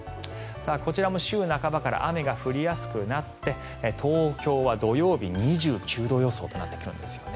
こちらも週半ばから雨が降りやすくなって東京は土曜日、２９度予想となってくるんですね。